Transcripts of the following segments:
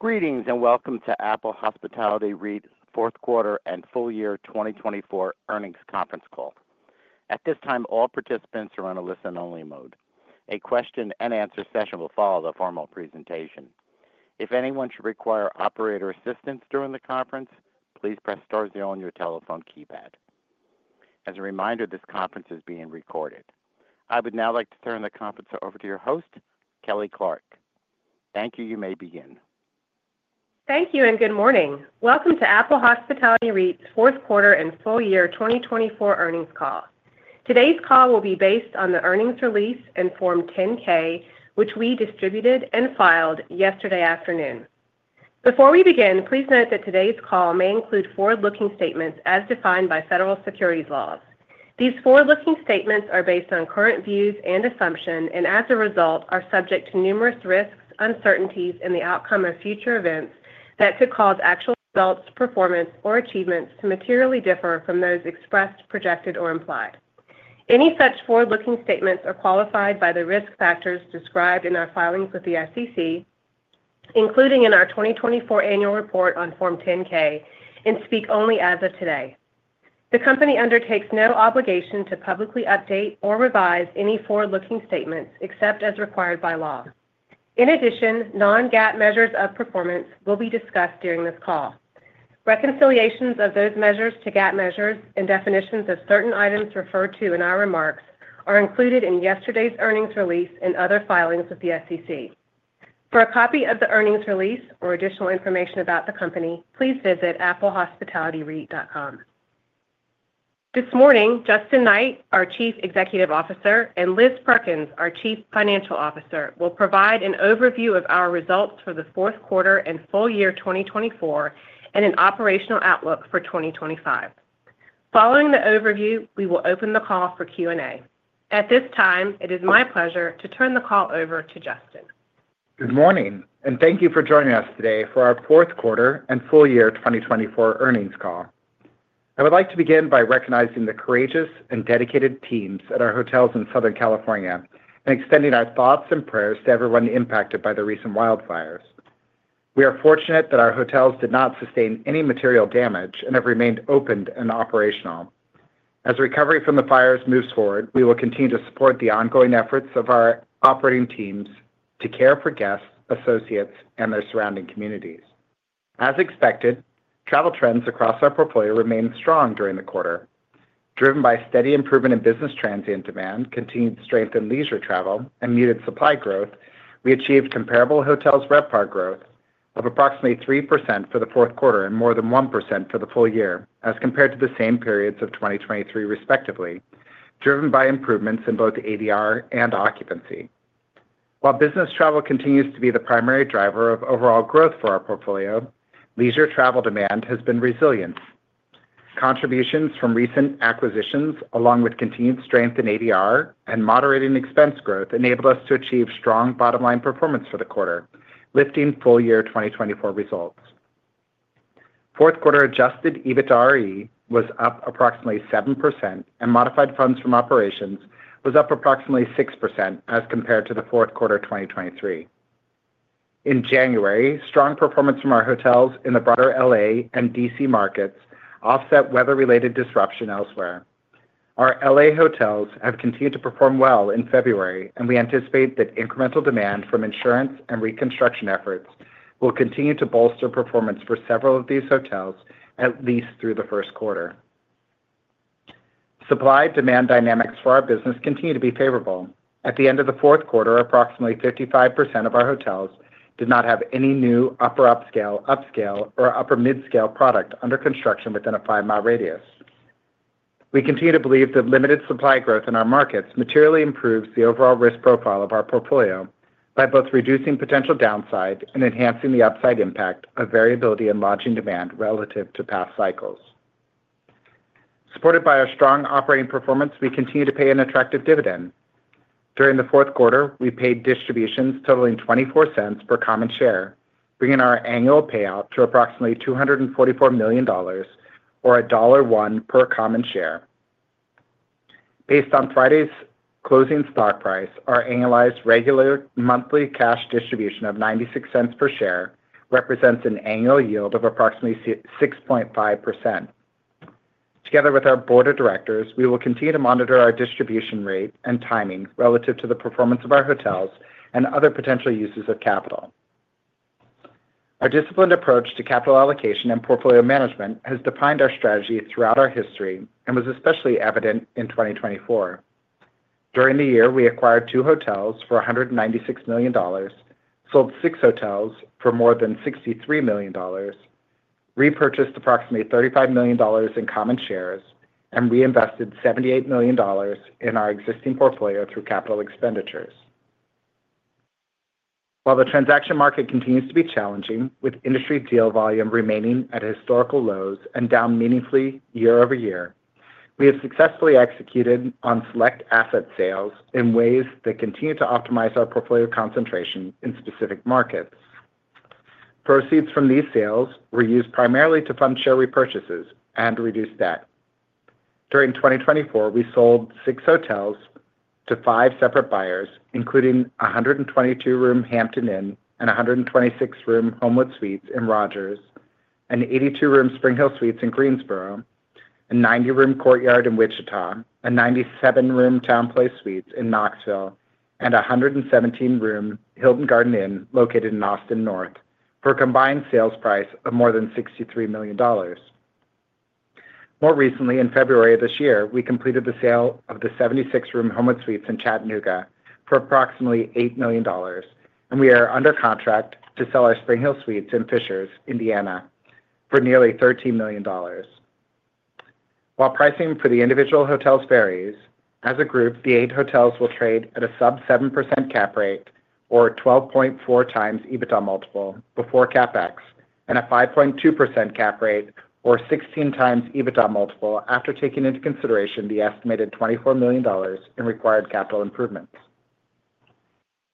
Greetings and welcome to Apple Hospitality REIT's Fourth Quarter and Full Year 2024 Earnings Conference Call. At this time, all participants are on a listen-only mode. A question-and-answer session will follow the formal presentation. If anyone should require operator assistance during the conference, please press star zero on your telephone keypad. As a reminder, this conference is being recorded. I would now like to turn the conference over to your host, Kelly Clarke. Thank you. You may begin. Thank you and good morning. Welcome to Apple Hospitality REIT's Fourth Quarter and Full Year 2024 Earnings Call. Today's call will be based on the earnings release and Form 10-K, which we distributed and filed yesterday afternoon. Before we begin, please note that today's call may include forward-looking statements as defined by federal securities laws. These forward-looking statements are based on current views and assumptions and, as a result, are subject to numerous risks, uncertainties, and the outcome of future events that could cause actual results, performance, or achievements to materially differ from those expressed, projected, or implied. Any such forward-looking statements are qualified by the risk factors described in our filings with the SEC, including in our 2024 annual report on Form 10-K, and speak only as of today. The company undertakes no obligation to publicly update or revise any forward-looking statements except as required by law. In addition, non-GAAP measures of performance will be discussed during this call. Reconciliations of those measures to GAAP measures and definitions of certain items referred to in our remarks are included in yesterday's earnings release and other filings with the SEC. For a copy of the earnings release or additional information about the company, please visit applehospitalityreit.com. This morning, Justin Knight, our Chief Executive Officer, and Liz Perkins, our Chief Financial Officer, will provide an overview of our results for the fourth quarter and full year 2024 and an operational outlook for 2025. Following the overview, we will open the call for Q&A. At this time, it is my pleasure to turn the call over to Justin. Good morning, and thank you for joining us today for our Fourth Quarter and Full Year 2024 Earnings Call. I would like to begin by recognizing the courageous and dedicated teams at our hotels in Southern California and extending our thoughts and prayers to everyone impacted by the recent wildfires. We are fortunate that our hotels did not sustain any material damage and have remained open and operational. As recovery from the fires moves forward, we will continue to support the ongoing efforts of our operating teams to care for guests, associates, and their surrounding communities. As expected, travel trends across our portfolio remained strong during the quarter. Driven by steady improvement in business transient and demand, continued strength in leisure travel, and muted supply growth, we achieved comparable hotels' RevPAR growth of approximately 3% for the fourth quarter and more than 1% for the full year as compared to the same periods of 2023, respectively, driven by improvements in both ADR and occupancy. While business travel continues to be the primary driver of overall growth for our portfolio, leisure travel demand has been resilient. Contributions from recent acquisitions, along with continued strength in ADR and moderating expense growth, enabled us to achieve strong bottom-line performance for the quarter, lifting full year 2024 results. Fourth quarter Adjusted EBITDAre was up approximately 7%, and Modified Funds from Operations was up approximately 6% as compared to the fourth quarter 2023. In January, strong performance from our hotels in the broader LA and DC markets offset weather-related disruption elsewhere. Our LA hotels have continued to perform well in February, and we anticipate that incremental demand from insurance and reconstruction efforts will continue to bolster performance for several of these hotels, at least through the first quarter. Supply-demand dynamics for our business continue to be favorable. At the end of the fourth quarter, approximately 55% of our hotels did not have any new upper-upscale, upscale, or upper-midscale product under construction within a five-mile radius. We continue to believe that limited supply growth in our markets materially improves the overall risk profile of our portfolio by both reducing potential downside and enhancing the upside impact of variability in lodging demand relative to past cycles. Supported by our strong operating performance, we continue to pay an attractive dividend. During the fourth quarter, we paid distributions totaling $0.24 per common share, bringing our annual payout to approximately $244 million, or $1.01 per common share. Based on Friday's closing stock price, our annualized regular monthly cash distribution of $0.96 per share represents an annual yield of approximately 6.5%. Together with our Board of Directors, we will continue to monitor our distribution rate and timing relative to the performance of our hotels and other potential uses of capital. Our disciplined approach to capital allocation and portfolio management has defined our strategy throughout our history and was especially evident in 2024. During the year, we acquired two hotels for $196 million, sold six hotels for more than $63 million, repurchased approximately $35 million in common shares, and reinvested $78 million in our existing portfolio through capital expenditures. While the transaction market continues to be challenging, with industry deal volume remaining at historical lows and down meaningfully year over year, we have successfully executed on select asset sales in ways that continue to optimize our portfolio concentration in specific markets. Proceeds from these sales were used primarily to fund share repurchases and reduce debt. During 2024, we sold six hotels to five separate buyers, including 122-room Hampton Inn and 126-room Homewood Suites in Rogers, an 82-room SpringHill Suites in Greensboro, a 90-room Courtyard in Wichita, a 97-room TownePlace Suites in Knoxville, and a 117-room Hilton Garden Inn located in Austin North, for a combined sales price of more than $63 million. More recently, in February of this year, we completed the sale of the 76-room Homewood Suites in Chattanooga for approximately $8 million, and we are under contract to sell our SpringHill Suites in Fishers, Indiana, for nearly $13 million. While pricing for the individual hotels varies, as a group, the eight hotels will trade at a sub-7% cap rate, or 12.4 times EBITDA multiple, before CapEx, and a 5.2% cap rate, or 16 times EBITDA multiple, after taking into consideration the estimated $24 million in required capital improvements.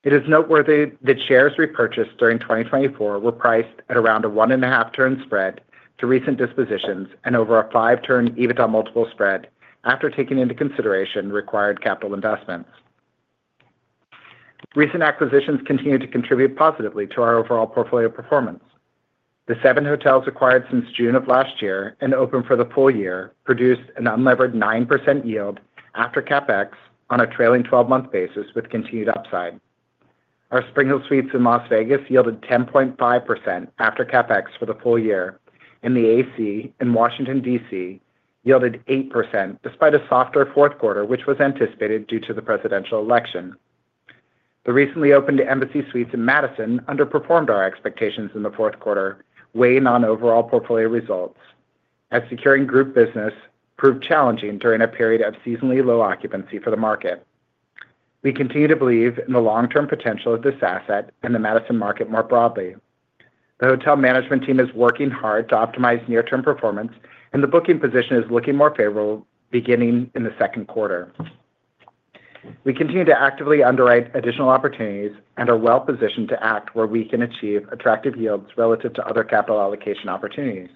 It is noteworthy that shares repurchased during 2024 were priced at around a one-and-a-half-turn spread to recent dispositions and over a five-turn EBITDA multiple spread after taking into consideration required capital investments. Recent acquisitions continue to contribute positively to our overall portfolio performance. The seven hotels acquired since June of last year and open for the full year produced an unlevered 9% yield after CapEx on a trailing 12-month basis with continued upside. Our SpringHill Suites in Las Vegas yielded 10.5% after CapEx for the full year, and the AC in Washington, D.C., yielded 8% despite a softer fourth quarter, which was anticipated due to the presidential election. The recently opened Embassy Suites in Madison underperformed our expectations in the fourth quarter, weighing on overall portfolio results, as securing group business proved challenging during a period of seasonally low occupancy for the market. We continue to believe in the long-term potential of this asset and the Madison market more broadly. The hotel management team is working hard to optimize near-term performance, and the booking position is looking more favorable beginning in the second quarter. We continue to actively underwrite additional opportunities and are well-positioned to act where we can achieve attractive yields relative to other capital allocation opportunities.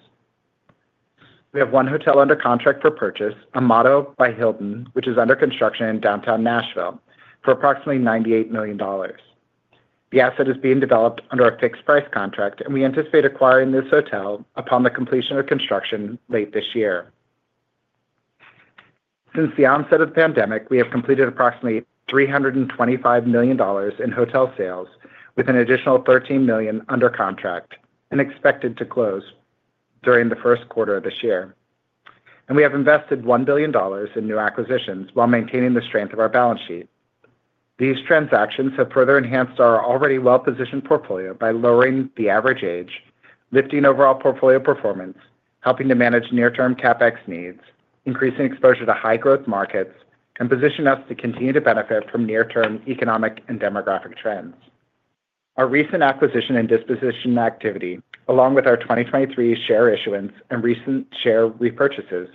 We have one hotel under contract for purchase, Motto by Hilton, which is under construction in downtown Nashville, for approximately $98 million. The asset is being developed under a fixed-price contract, and we anticipate acquiring this hotel upon the completion of construction late this year. Since the onset of the pandemic, we have completed approximately $325 million in hotel sales, with an additional $13 million under contract and expected to close during the first quarter of this year, and we have invested $1 billion in new acquisitions while maintaining the strength of our balance sheet. These transactions have further enhanced our already well-positioned portfolio by lowering the average age, lifting overall portfolio performance, helping to manage near-term CapEx needs, increasing exposure to high-growth markets, and positioning us to continue to benefit from near-term economic and demographic trends. Our recent acquisition and disposition activity, along with our 2023 share issuance and recent share repurchases,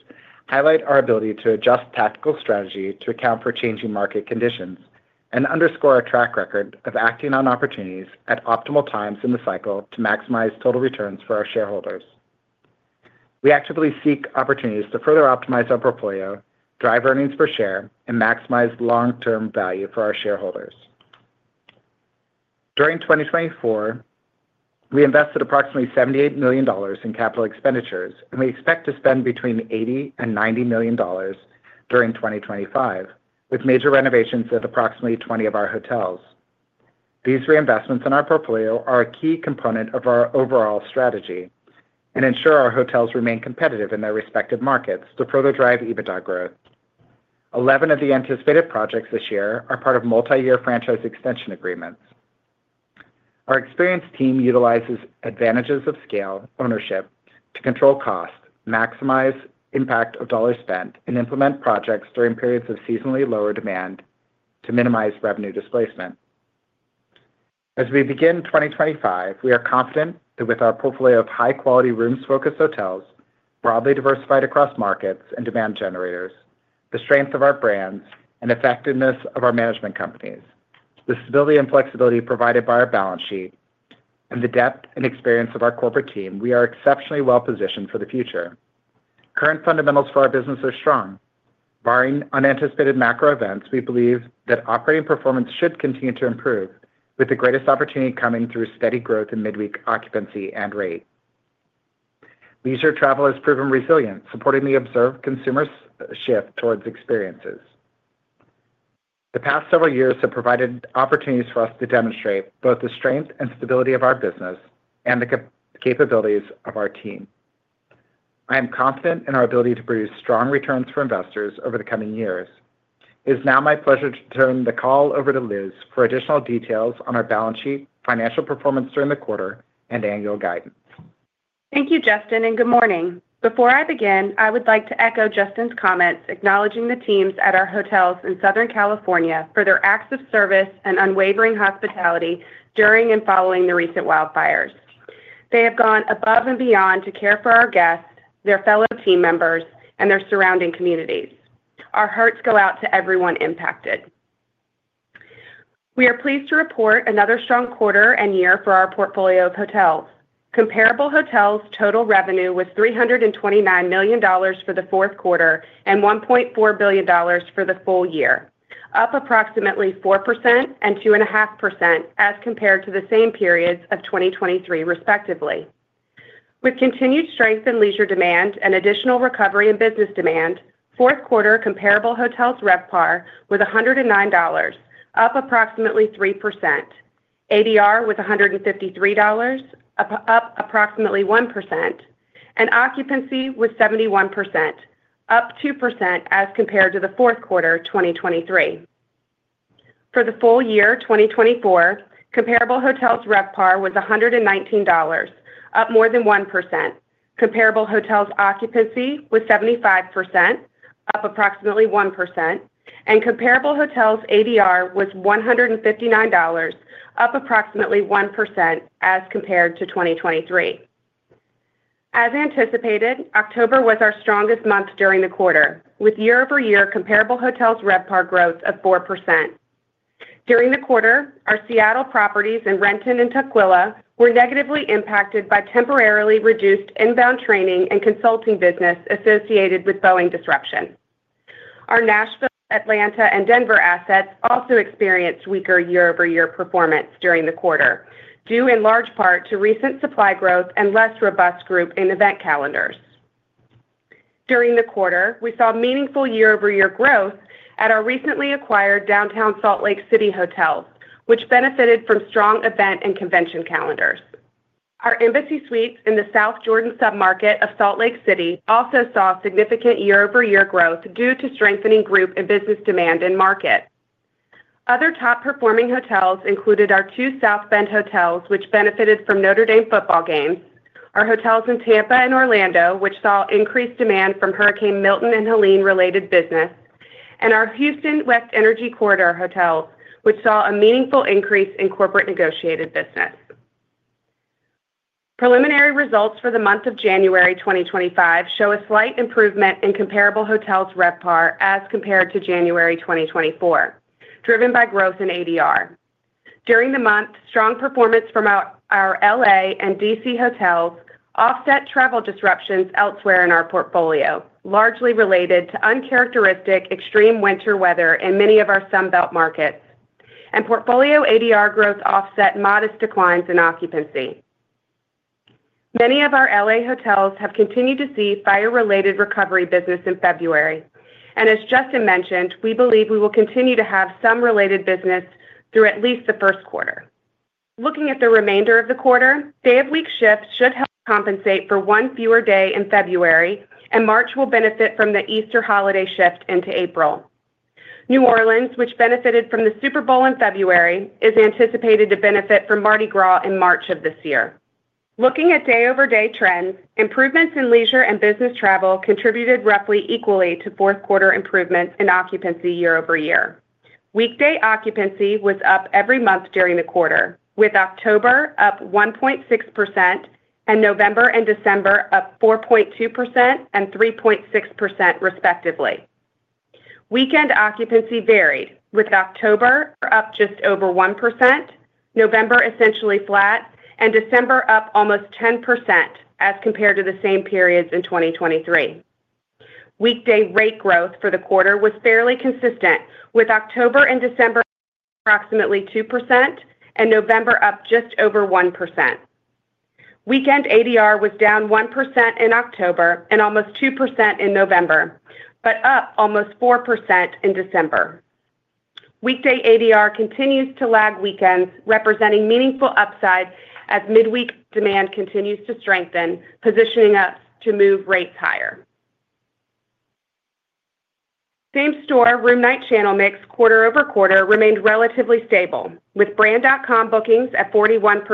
highlight our ability to adjust tactical strategy to account for changing market conditions and underscore our track record of acting on opportunities at optimal times in the cycle to maximize total returns for our shareholders. We actively seek opportunities to further optimize our portfolio, drive earnings per share, and maximize long-term value for our shareholders. During 2024, we invested approximately $78 million in capital expenditures, and we expect to spend between $80 and $90 million during 2025, with major renovations of approximately 20 of our hotels. These reinvestments in our portfolio are a key component of our overall strategy and ensure our hotels remain competitive in their respective markets to further drive EBITDA growth. Eleven of the anticipated projects this year are part of multi-year franchise extension agreements. Our experienced team utilizes advantages of scale ownership to control cost, maximize impact of dollars spent, and implement projects during periods of seasonally lower demand to minimize revenue displacement. As we begin 2025, we are confident that with our portfolio of high-quality rooms-focused hotels, broadly diversified across markets and demand generators, the strength of our brands, and effectiveness of our management companies, the stability and flexibility provided by our balance sheet, and the depth and experience of our corporate team, we are exceptionally well-positioned for the future. Current fundamentals for our business are strong. Barring unanticipated macro events, we believe that operating performance should continue to improve, with the greatest opportunity coming through steady growth in midweek occupancy and rate. Leisure travel has proven resilient, supporting the observed consumer shift towards experiences. The past several years have provided opportunities for us to demonstrate both the strength and stability of our business and the capabilities of our team. I am confident in our ability to produce strong returns for investors over the coming years. It is now my pleasure to turn the call over to Liz for additional details on our balance sheet, financial performance during the quarter, and annual guidance. Thank you, Justin, and good morning. Before I begin, I would like to echo Justin's comments, acknowledging the teams at our hotels in Southern California for their acts of service and unwavering hospitality during and following the recent wildfires. They have gone above and beyond to care for our guests, their fellow team members, and their surrounding communities. Our hearts go out to everyone impacted. We are pleased to report another strong quarter and year for our portfolio of hotels. Comparable hotels' total revenue was $329 million for the fourth quarter and $1.4 billion for the full year, up approximately 4% and 2.5% as compared to the same periods of 2023, respectively. With continued strength in leisure demand and additional recovery in business demand, fourth quarter comparable hotels' RevPAR was $109, up approximately 3%. ADR was $153, up approximately 1%, and occupancy was 71%, up 2% as compared to the fourth quarter 2023. For the full year 2024, comparable hotels' RevPAR was $119, up more than 1%. Comparable hotels' occupancy was 75%, up approximately 1%, and comparable hotels' ADR was $159, up approximately 1% as compared to 2023. As anticipated, October was our strongest month during the quarter, with year-over-year comparable hotels' RevPAR growth of 4%. During the quarter, our Seattle properties in Renton and Tukwila were negatively impacted by temporarily reduced inbound training and consulting business associated with Boeing disruption. Our Nashville, Atlanta, and Denver assets also experienced weaker year-over-year performance during the quarter, due in large part to recent supply growth and less robust group and event calendars. During the quarter, we saw meaningful year-over-year growth at our recently acquired downtown Salt Lake City hotels, which benefited from strong event and convention calendars. Our Embassy Suites in the South Jordan submarket of Salt Lake City also saw significant year-over-year growth due to strengthening group and business demand and market. Other top-performing hotels included our two South Bend hotels, which benefited from Notre Dame football games, our hotels in Tampa and Orlando, which saw increased demand from Hurricane Milton and Helene-related business, and our Houston West Energy Corridor hotels, which saw a meaningful increase in corporate negotiated business. Preliminary results for the month of January 2025 show a slight improvement in comparable hotels' RevPAR as compared to January 2024, driven by growth in ADR. During the month, strong performance from our LA and DC hotels offset travel disruptions elsewhere in our portfolio, largely related to uncharacteristic extreme winter weather in many of our Sunbelt markets, and portfolio ADR growth offset modest declines in occupancy. Many of our LA hotels have continued to see fire-related recovery business in February, and as Justin mentioned, we believe we will continue to have some related business through at least the first quarter. Looking at the remainder of the quarter, day-of-week shifts should help compensate for one fewer day in February, and March will benefit from the Easter holiday shift into April. New Orleans, which benefited from the Super Bowl in February, is anticipated to benefit from Mardi Gras in March of this year. Looking at day-over-day trends, improvements in leisure and business travel contributed roughly equally to fourth quarter improvements in occupancy year-over-year. Weekday occupancy was up every month during the quarter, with October up 1.6% and November and December up 4.2% and 3.6%, respectively. Weekend occupancy varied, with October up just over 1%, November essentially flat, and December up almost 10% as compared to the same periods in 2023. Weekday rate growth for the quarter was fairly consistent, with October and December up approximately 2% and November up just over 1%. Weekend ADR was down 1% in October and almost 2% in November, but up almost 4% in December. Weekday ADR continues to lag weekends, representing meaningful upside as midweek demand continues to strengthen, positioning us to move rates higher. Same-store room night channel mix quarter over quarter remained relatively stable, with brand.com bookings at 41%,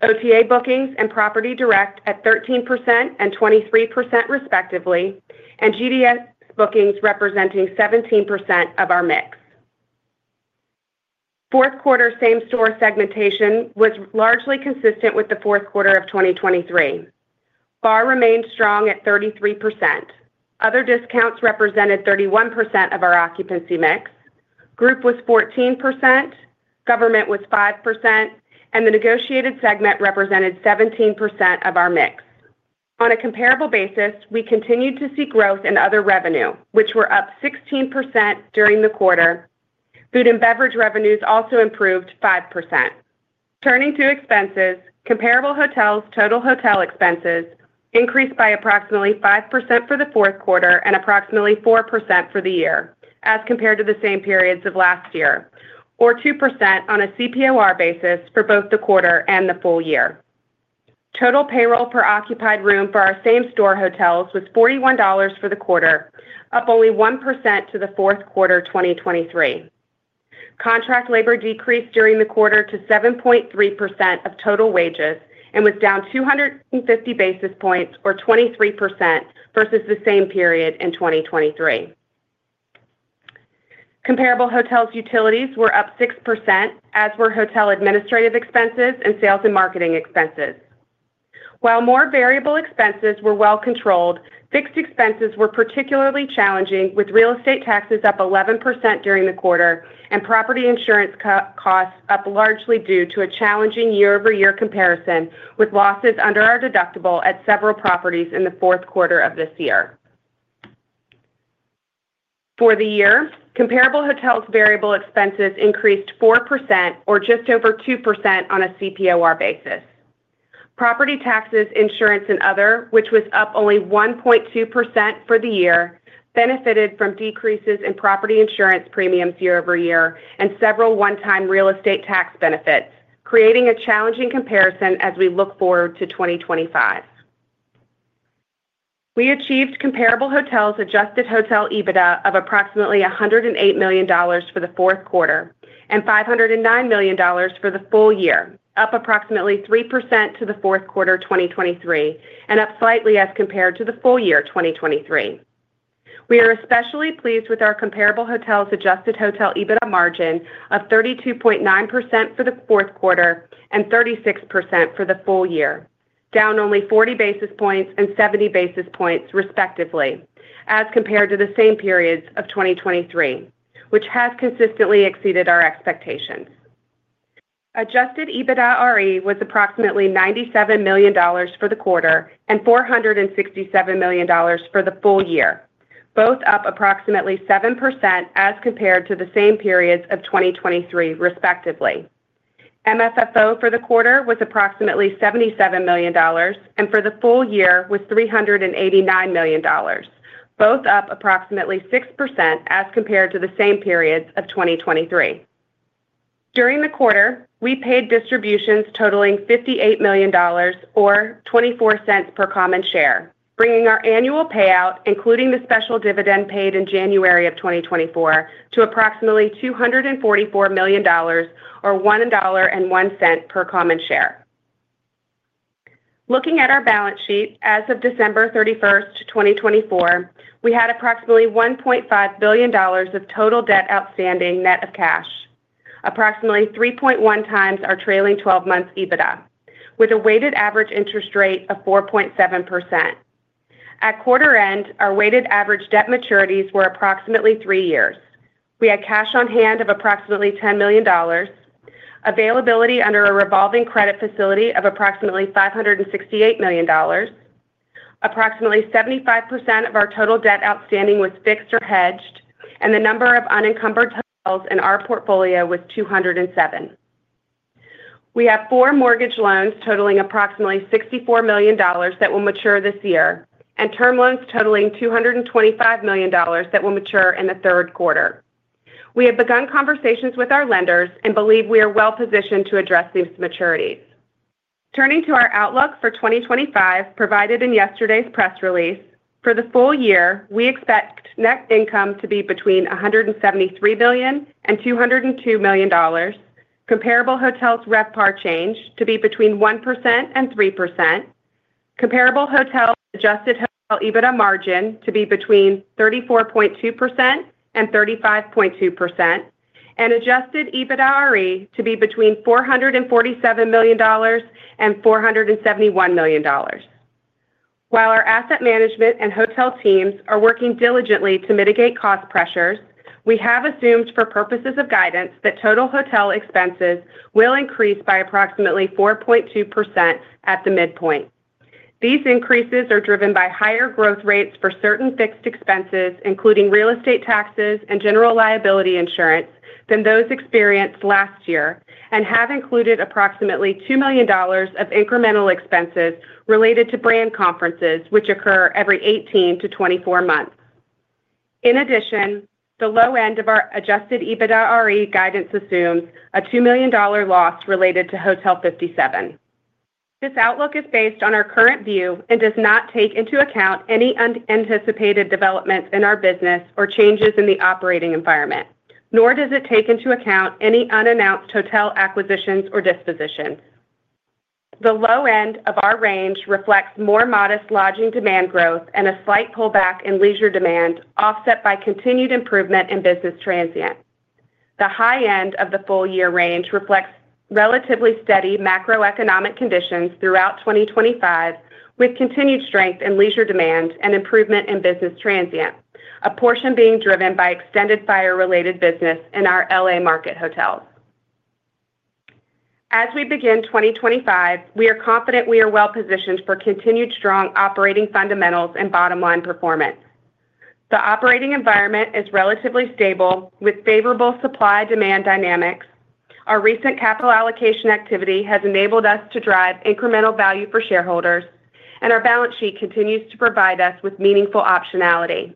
OTA bookings and Property Direct at 13% and 23%, respectively, and GDS bookings representing 17% of our mix. Fourth quarter same-store segmentation was largely consistent with the fourth quarter of 2023. BAR remained strong at 33%. Other discounts represented 31% of our occupancy mix. Group was 14%, government was 5%, and the negotiated segment represented 17% of our mix. On a comparable basis, we continued to see growth in other revenue, which were up 16% during the quarter. Food and beverage revenues also improved 5%. Turning to expenses, comparable hotels' total hotel expenses increased by approximately 5% for the fourth quarter and approximately 4% for the year as compared to the same periods of last year, or 2% on a CPOR basis for both the quarter and the full year. Total payroll per occupied room for our same-store hotels was $41 for the quarter, up only 1% to the fourth quarter 2023. Contract labor decreased during the quarter to 7.3% of total wages and was down 250 basis points, or 23%, versus the same period in 2023. Comparable hotels' utilities were up 6%, as were hotel administrative expenses and sales and marketing expenses. While more variable expenses were well-controlled, fixed expenses were particularly challenging, with real estate taxes up 11% during the quarter and property insurance costs up largely due to a challenging year-over-year comparison with losses under our deductible at several properties in the fourth quarter of this year. For the year, comparable hotels' variable expenses increased 4%, or just over 2%, on a CPOR basis. Property taxes, insurance, and other, which was up only 1.2% for the year, benefited from decreases in property insurance premiums year-over-year and several one-time real estate tax benefits, creating a challenging comparison as we look forward to 2025. We achieved comparable hotels' Adjusted Hotel EBITDAre of approximately $108 million for the fourth quarter and $509 million for the full year, up approximately 3% to the fourth quarter 2023 and up slightly as compared to the full year 2023. We are especially pleased with our comparable hotels' Adjusted Hotel EBITDAre margin of 32.9% for the fourth quarter and 36% for the full year, down only 40 basis points and 70 basis points, respectively, as compared to the same periods of 2023, which has consistently exceeded our expectations. Adjusted EBITDAre was approximately $97 million for the quarter and $467 million for the full year, both up approximately 7% as compared to the same periods of 2023, respectively. MFFO for the quarter was approximately $77 million, and for the full year was $389 million, both up approximately 6% as compared to the same periods of 2023. During the quarter, we paid distributions totaling $58 million, or 24 cents per common share, bringing our annual payout, including the special dividend paid in January of 2024, to approximately $244 million, or $1.01 per common share. Looking at our balance sheet, as of December 31st, 2024, we had approximately $1.5 billion of total debt outstanding net of cash, approximately 3.1 times our trailing 12 months' EBITDA, with a weighted average interest rate of 4.7%. At quarter end, our weighted average debt maturities were approximately three years. We had cash on hand of approximately $10 million, availability under a revolving credit facility of approximately $568 million, approximately 75% of our total debt outstanding was fixed or hedged, and the number of unencumbered hotels in our portfolio was 207. We have four mortgage loans totaling approximately $64 million that will mature this year and term loans totaling $225 million that will mature in the third quarter. We have begun conversations with our lenders and believe we are well-positioned to address these maturities. Turning to our outlook for 2025, provided in yesterday's press release, for the full year, we expect net income to be between $173 million-$202 million, comparable hotels' RevPAR change to be between 1% and 3%, comparable hotels' Adjusted Hotel EBITDA margin to be between 34.2% and 35.2%, and Adjusted EBITDAre to be between $447 million-$471 million. While our asset management and hotel teams are working diligently to mitigate cost pressures, we have assumed for purposes of guidance that total hotel expenses will increase by approximately 4.2% at the midpoint. These increases are driven by higher growth rates for certain fixed expenses, including real estate taxes and general liability insurance, than those experienced last year and have included approximately $2 million of incremental expenses related to brand conferences, which occur every 18 to 24 months. In addition, the low end of our adjusted EBITDAre guidance assumes a $2 million loss related to Hotel 57. This outlook is based on our current view and does not take into account any unanticipated developments in our business or changes in the operating environment, nor does it take into account any unannounced hotel acquisitions or dispositions. The low end of our range reflects more modest lodging demand growth and a slight pullback in leisure demand, offset by continued improvement in business transient. The high end of the full year range reflects relatively steady macroeconomic conditions throughout 2025, with continued strength in leisure demand and improvement in business transient, a portion being driven by extended fire-related business in our LA market hotels. As we begin 2025, we are confident we are well-positioned for continued strong operating fundamentals and bottom-line performance. The operating environment is relatively stable with favorable supply-demand dynamics. Our recent capital allocation activity has enabled us to drive incremental value for shareholders, and our balance sheet continues to provide us with meaningful optionality.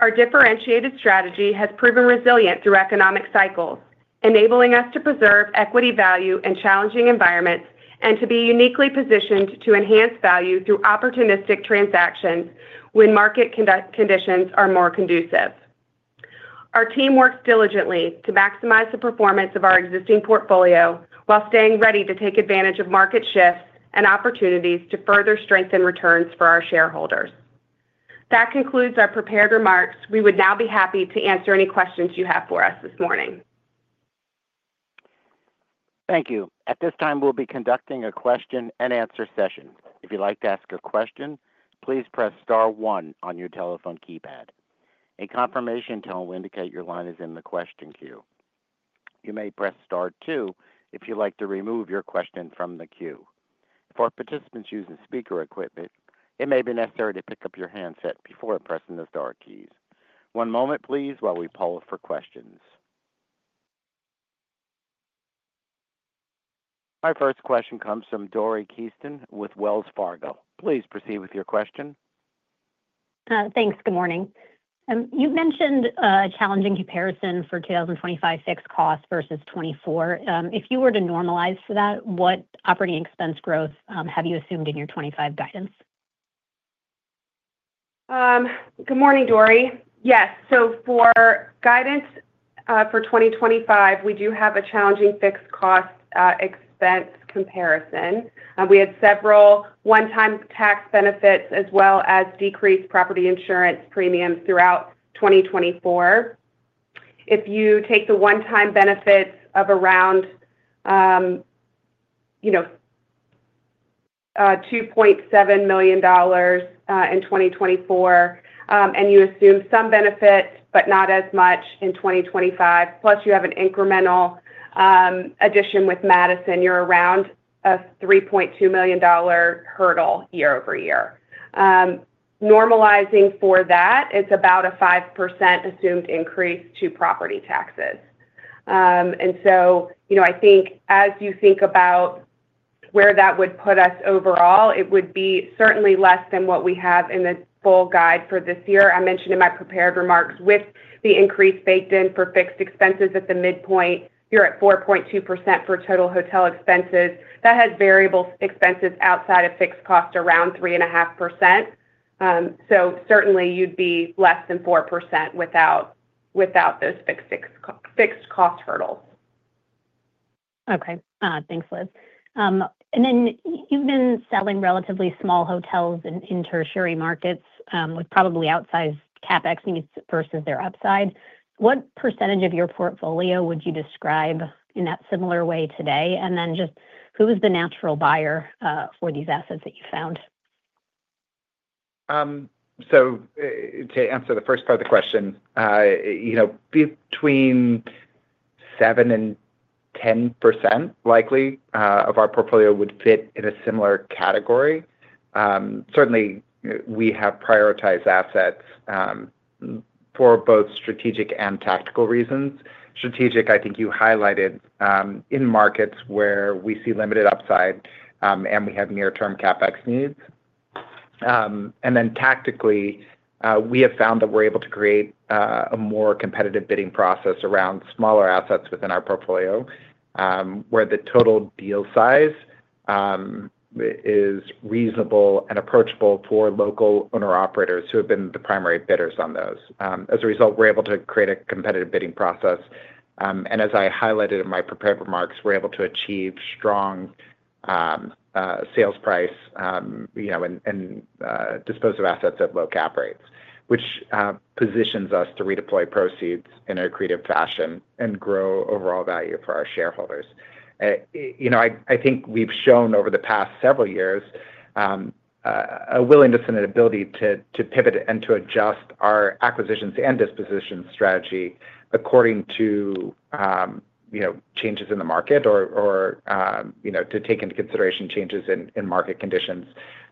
Our differentiated strategy has proven resilient through economic cycles, enabling us to preserve equity value in challenging environments and to be uniquely positioned to enhance value through opportunistic transactions when market conditions are more conducive. Our team works diligently to maximize the performance of our existing portfolio while staying ready to take advantage of market shifts and opportunities to further strengthen returns for our shareholders. That concludes our prepared remarks. We would now be happy to answer any questions you have for us this morning. Thank you. At this time, we'll be conducting a question-and-answer session. If you'd like to ask a question, please press star one on your telephone keypad. A confirmation tone will indicate your line is in the question queue. You may press star two if you'd like to remove your question from the queue. For participants using speaker equipment, it may be necessary to pick up your handset before pressing the star keys. One moment, please, while we poll for questions. My first question comes from Dory Kesten with Wells Fargo. Please proceed with your question. Thanks. Good morning. You've mentioned a challenging comparison for 2025 fixed costs versus 2024. If you were to normalize for that, what operating expense growth have you assumed in your 2025 guidance? Good morning, Dory. Yes. So for guidance for 2025, we do have a challenging fixed cost expense comparison. We had several one-time tax benefits as well as decreased property insurance premiums throughout 2024. If you take the one-time benefits of around $2.7 million in 2024 and you assume some benefit but not as much in 2025, plus you have an incremental addition with Madison, you're around a $3.2 million hurdle year-over-year. Normalizing for that, it's about a 5% assumed increase to property taxes. And so I think as you think about where that would put us overall, it would be certainly less than what we have in the full guide for this year. I mentioned in my prepared remarks with the increase baked in for fixed expenses at the midpoint, you're at 4.2% for total hotel expenses. That has variable expenses outside of fixed cost around 3.5%. So certainly, you'd be less than 4% without those fixed cost hurdles. Okay. Thanks, Liz. And then you've been selling relatively small hotels in tertiary markets with probably outsized CapEx needs versus their upside. What percentage of your portfolio would you describe in that similar way today? And then just who is the natural buyer for these assets that you found? So to answer the first part of the question, between 7% and 10% likely of our portfolio would fit in a similar category. Certainly, we have prioritized assets for both strategic and tactical reasons. Strategic, I think you highlighted in markets where we see limited upside and we have near-term CapEx needs. And then tactically, we have found that we're able to create a more competitive bidding process around smaller assets within our portfolio where the total deal size is reasonable and approachable for local owner-operators who have been the primary bidders on those. As a result, we're able to create a competitive bidding process. And as I highlighted in my prepared remarks, we're able to achieve strong sales price and disposal of assets at low cap rates, which positions us to redeploy proceeds in a creative fashion and grow overall value for our shareholders. I think we've shown over the past several years a willingness and an ability to pivot and to adjust our acquisitions and disposition strategy according to changes in the market or to take into consideration changes in market conditions.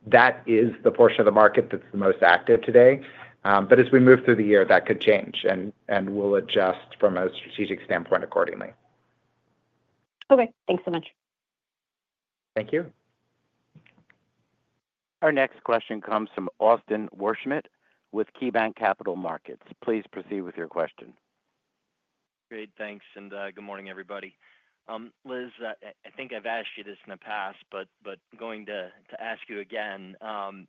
That is the portion of the market that's the most active today. But as we move through the year, that could change, and we'll adjust from a strategic standpoint accordingly. Okay. Thanks so much. Thank you. Our next question comes from Austin Wurschmidt with KeyBanc Capital Markets. Please proceed with your question. Great. Thanks. And good morning, everybody. Liz, I think I've asked you this in the past, but going to ask you again.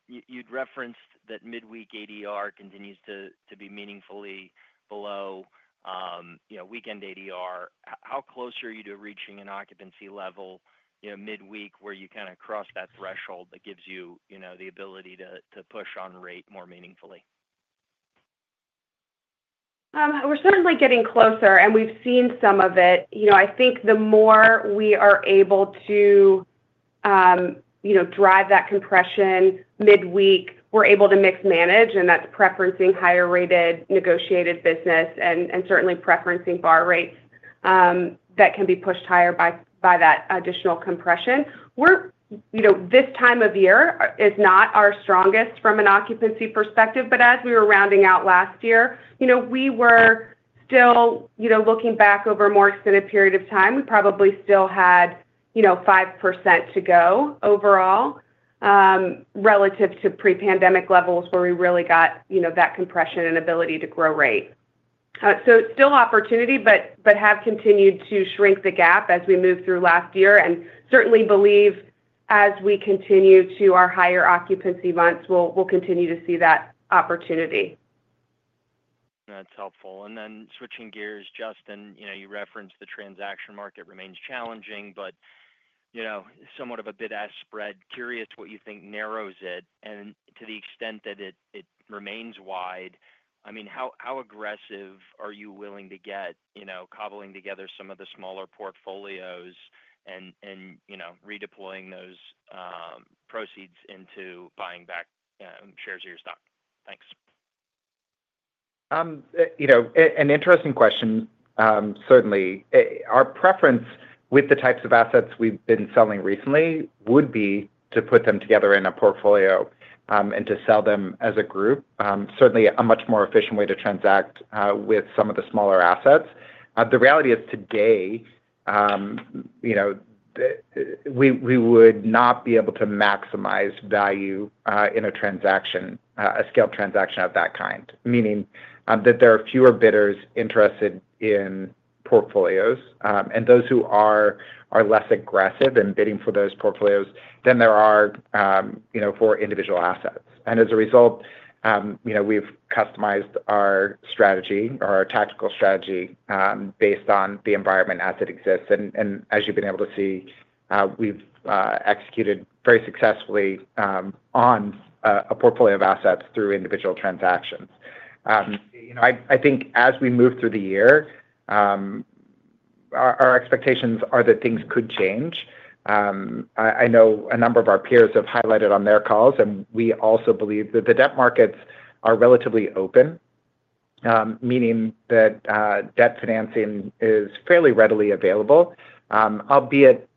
You'd referenced that midweek ADR continues to be meaningfully below weekend ADR. How close are you to reaching an occupancy level midweek where you kind of cross that threshold that gives you the ability to push on rate more meaningfully? We're certainly getting closer, and we've seen some of it. I think the more we are able to drive that compression midweek, we're able to mix manage, and that's preferencing higher-rated negotiated business and certainly preferencing bar rates that can be pushed higher by that additional compression. This time of year is not our strongest from an occupancy perspective, but as we were rounding out last year, we were still looking back over a more extended period of time. We probably still had 5% to go overall relative to pre-pandemic levels where we really got that compression and ability to grow rate, so still opportunity, but have continued to shrink the gap as we moved through last year and certainly believe as we continue to our higher occupancy months, we'll continue to see that opportunity. That's helpful, and then switching gears, Justin, you referenced the transaction market remains challenging, but somewhat of a bid-ask spread. Curious what you think narrows it and to the extent that it remains wide. I mean, how aggressive are you willing to get cobbling together some of the smaller portfolios and redeploying those proceeds into buying back shares of your stock? Thanks. An interesting question, certainly. Our preference with the types of assets we've been selling recently would be to put them together in a portfolio and to sell them as a group, certainly a much more efficient way to transact with some of the smaller assets. The reality is today, we would not be able to maximize value in a transaction, a scaled transaction of that kind, meaning that there are fewer bidders interested in portfolios and those who are less aggressive in bidding for those portfolios than there are for individual assets. And as a result, we've customized our strategy or our tactical strategy based on the environment as it exists. And as you've been able to see, we've executed very successfully on a portfolio of assets through individual transactions. I think as we move through the year, our expectations are that things could change. I know a number of our peers have highlighted on their calls, and we also believe that the debt markets are relatively open, meaning that debt financing is fairly readily available, albeit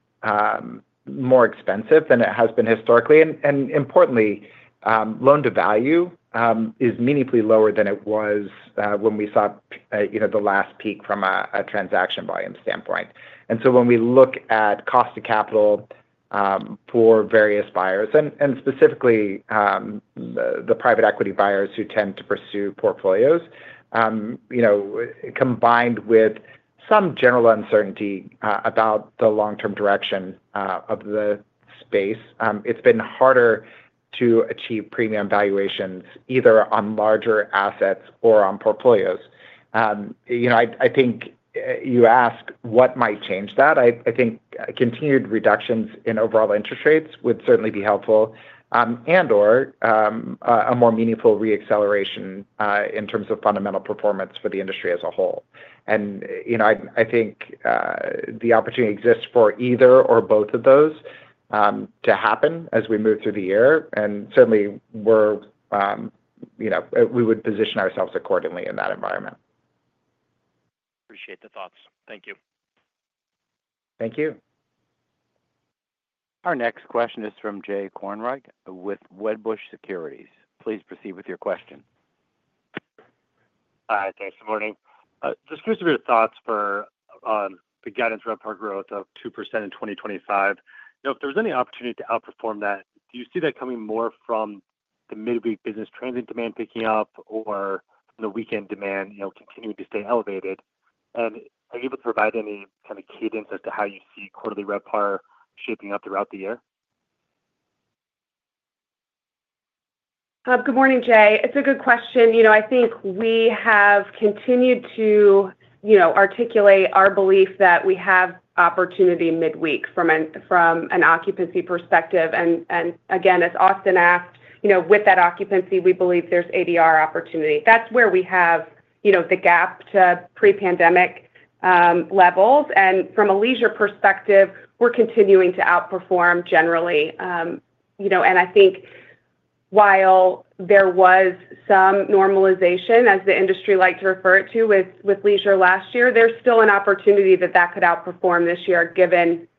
more expensive than it has been historically. And importantly, loan-to-value is meaningfully lower than it was when we saw the last peak from a transaction volume standpoint. And so when we look at cost of capital for various buyers, and specifically the private equity buyers who tend to pursue portfolios, combined with some general uncertainty about the long-term direction of the space, it's been harder to achieve premium valuations either on larger assets or on portfolios. I think you asked what might change that. I think continued reductions in overall interest rates would certainly be helpful and/or a more meaningful reacceleration in terms of fundamental performance for the industry as a whole.I think the opportunity exists for either or both of those to happen as we move through the year. Certainly, we would position ourselves accordingly in that environment. Appreciate the thoughts. Thank you. Thank you. Our next question is from Jay Kornreich with Wedbush Securities. Please proceed with your question. Hi. Thanks morning. Just curious of your thoughts on the guidance for upside growth of 2% in 2025. If there's any opportunity to outperform that, do you see that coming more from the midweek business transient demand picking up or the weekend demand continuing to stay elevated? And are you able to provide any kind of cadence as to how you see quarterly RevPAR shaping up throughout the year? Good morning, Jay. It's a good question. I think we have continued to articulate our belief that we have opportunity midweek from an occupancy perspective. Again, as Austin asked, with that occupancy, we believe there's ADR opportunity. That's where we have the gap to pre-pandemic levels. And from a leisure perspective, we're continuing to outperform generally. And I think while there was some normalization, as the industry liked to refer it to, with leisure last year, there's still an opportunity that could outperform this year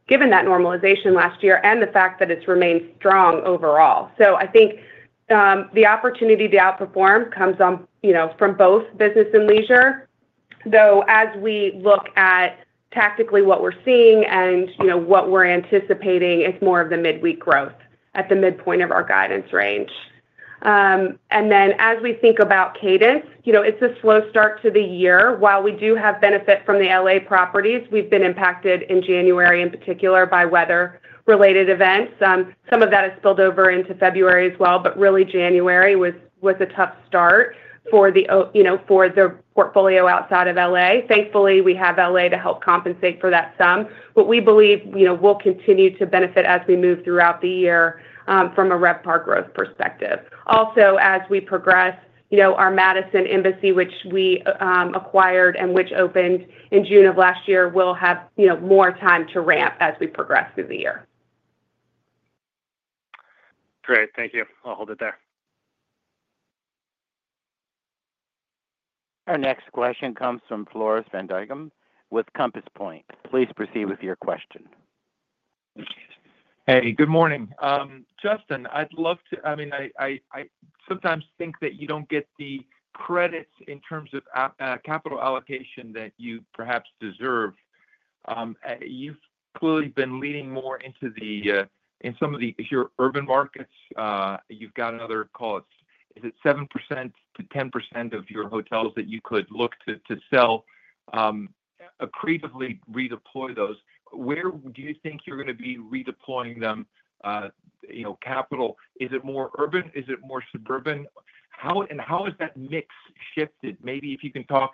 given that normalization last year and the fact that it's remained strong overall. So I think the opportunity to outperform comes from both business and leisure. Though as we look at tactically what we're seeing and what we're anticipating, it's more of the midweek growth at the midpoint of our guidance range. And then as we think about cadence, it's a slow start to the year. While we do have benefit from the LA properties, we've been impacted in January in particular by weather-related events. Some of that has spilled over into February as well, but really January was a tough start for the portfolio outside of LA. Thankfully, we have LA to help compensate for that sum. But we believe we'll continue to benefit as we move throughout the year from a RevPAR growth perspective. Also, as we progress, our Madison Embassy, which we acquired and which opened in June of last year, will have more time to ramp as we progress through the year. Great. Thank you. I'll hold it there. Our next question comes from Floris van Dijkum with Compass Point. Please proceed with your question. Hey, good morning. Justin, I'd love to—I mean, I sometimes think that you don't get the credits in terms of capital allocation that you perhaps deserve. You've clearly been leaning more into some of your urban markets. You've got another, call it, is it 7%-10% of your hotels that you could look to sell? Accretively redeploy those. Where do you think you're going to be redeploying them? Capital, is it more urban? Is it more suburban? And how has that mix shifted? Maybe if you can talk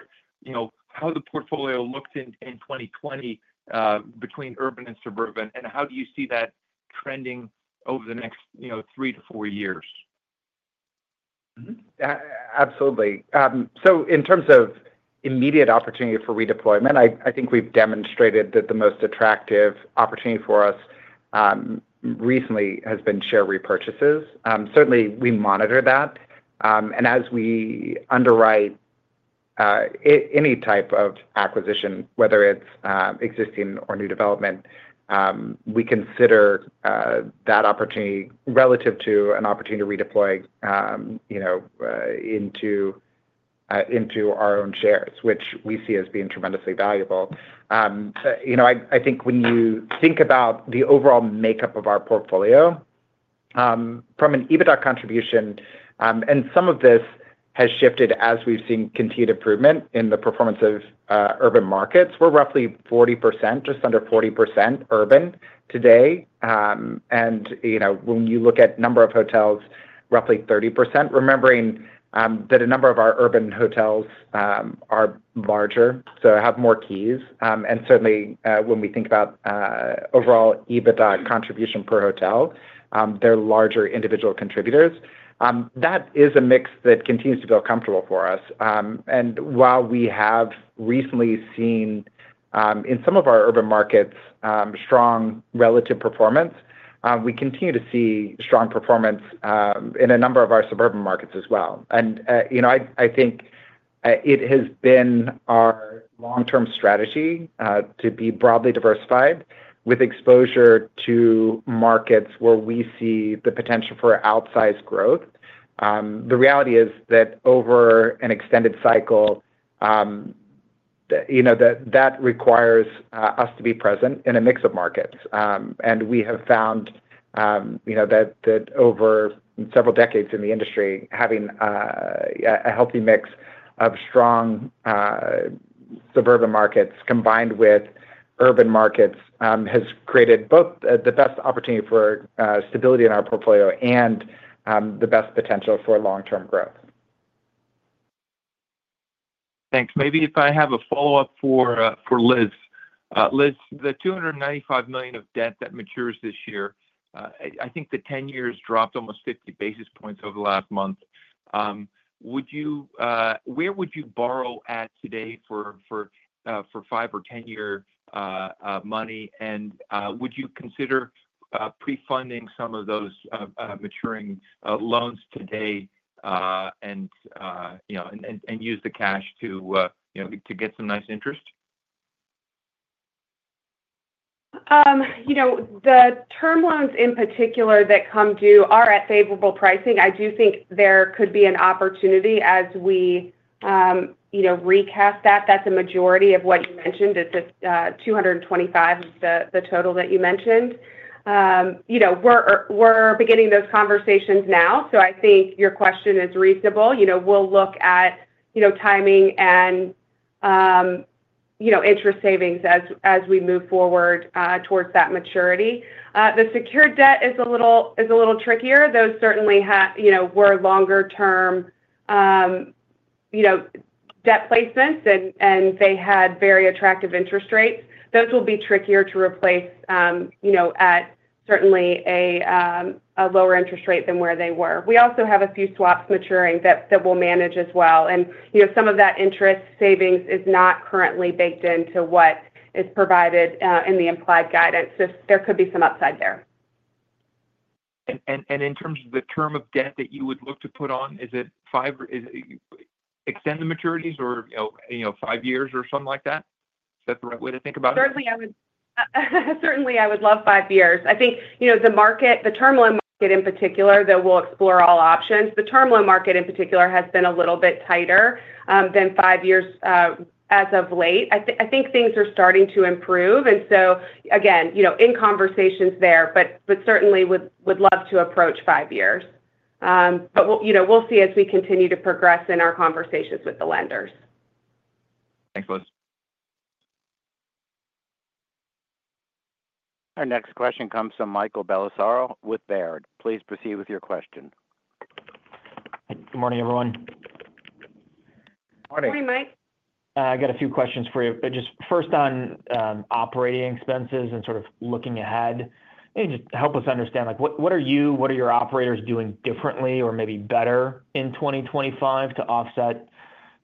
how the portfolio looked in 2020 between urban and suburban, and how do you see that trending over the next three to four years? Absolutely. So in terms of immediate opportunity for redeployment, I think we've demonstrated that the most attractive opportunity for us recently has been share repurchases. Certainly, we monitor that. And as we underwrite any type of acquisition, whether it's existing or new development, we consider that opportunity relative to an opportunity to redeploy into our own shares, which we see as being tremendously valuable. I think when you think about the overall makeup of our portfolio, from an EBITDA contribution, and some of this has shifted as we've seen continued improvement in the performance of urban markets. We're roughly 40%, just under 40% urban today. And when you look at number of hotels, roughly 30%, remembering that a number of our urban hotels are larger, so have more keys. And certainly, when we think about overall EBITDA contribution per hotel, they're larger individual contributors. That is a mix that continues to feel comfortable for us. And while we have recently seen in some of our urban markets strong relative performance, we continue to see strong performance in a number of our suburban markets as well. And I think it has been our long-term strategy to be broadly diversified with exposure to markets where we see the potential for outsized growth. The reality is that over an extended cycle, that requires us to be present in a mix of markets. And we have found that over several decades in the industry, having a healthy mix of strong suburban markets combined with urban markets has created both the best opportunity for stability in our portfolio and the best potential for long-term growth. Thanks. Maybe if I have a follow-up for Liz. Liz, the $295 million of debt that matures this year, I think the 10 years dropped almost 50 basis points over the last month. Where would you borrow at today for 5 or 10-year money? And would you consider prefunding some of those maturing loans today and use the cash to get some nice interest? The term loans in particular that come due are at favorable pricing. I do think there could be an opportunity as we recast that. That's a majority of what you mentioned. It's 225 is the total that you mentioned. We're beginning those conversations now, so I think your question is reasonable. We'll look at timing and interest savings as we move forward towards that maturity. The secured debt is a little trickier. Those certainly were longer-term debt placements, and they had very attractive interest rates. Those will be trickier to replace at certainly a lower interest rate than where they were. We also have a few swaps maturing that we'll manage as well. And some of that interest savings is not currently baked into what is provided in the implied guidance. There could be some upside there. And in terms of the term of debt that you would look to put on, is it extend the maturities or five years or something like that? Is that the right way to think about it? Certainly, I would love five years. I think the market, the terminal market in particular, though we'll explore all options, the terminal market in particular has been a little bit tighter than five years as of late. I think things are starting to improve. And so again, in conversations there, but certainly would love to approach five years. But we'll see as we continue to progress in our conversations with the lenders. Thanks, Liz. Our next question comes from Michael Bellisario with Baird. Please proceed with your question. Good morning, everyone. Good morning. Good morning, Mike. I got a few questions for you. Just first on operating expenses and sort of looking ahead, and just help us understand what are you, what are your operators doing differently or maybe better in 2025 to offset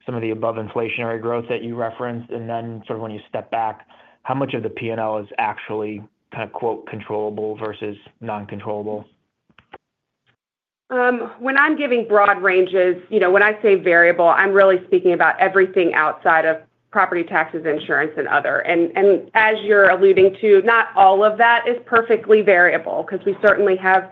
some of the above inflationary growth that you referenced? And then sort of when you step back, how much of the P&L is actually kind of "controllable" versus non-controllable? When I'm giving broad ranges, when I say variable, I'm really speaking about everything outside of property taxes, insurance, and other. And as you're alluding to, not all of that is perfectly variable because we certainly have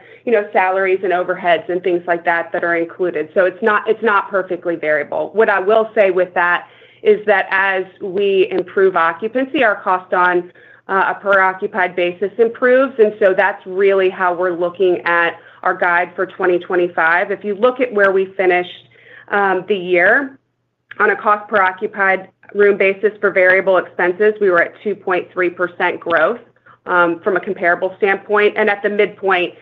salaries and overheads and things like that that are included. So it's not perfectly variable. What I will say with that is that as we improve occupancy, our cost on a per occupied basis improves. And so that's really how we're looking at our guide for 2025. If you look at where we finished the year on a cost per occupied room basis for variable expenses, we were at 2.3% growth from a comparable standpoint. And at the midpoint,